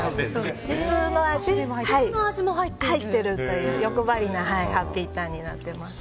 普通の味も入っているという欲張りなハッピーターンになっています。